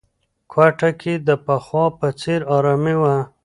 کوټه کې د پخوا په څېر ارامي وه.